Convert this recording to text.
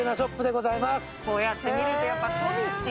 こうやって見るとやっぱ。